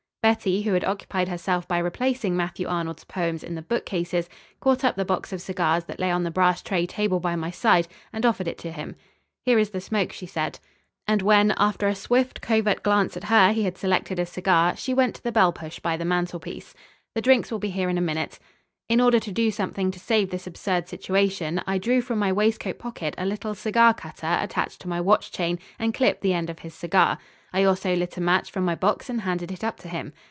Betty, who had occupied herself by replacing Matthew Arnold's poems in the bookcase, caught up the box of cigars that lay on the brass tray table by my side, and offered it to him. "Here is the smoke," she said. And when, after a swift, covert glance at her, he had selected a cigar, she went to the bell push by the mantelpiece. "The drinks will be here in a minute." In order to do something to save this absurd situation, I drew from my waistcoat pocket a little cigar cutter attached to my watch chain, and clipped the end of his cigar. I also lit a match from my box and handed it up to him.